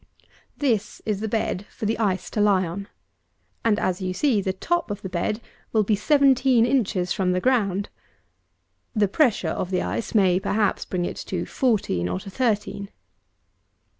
248. This is the bed for the ice to lie on; and as you see, the top of the bed will be seventeen inches from the ground. The pressure of the ice may, perhaps, bring it to fourteen, or to thirteen.